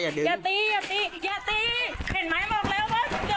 อย่าลุ้มอย่าอย่าอย่าพี่อย่าอย่าอย่าเลยอย่า